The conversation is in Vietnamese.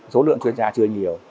số lượng chuyên gia chưa nhiều